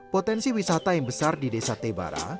potensi wisata yang besar di desa tebara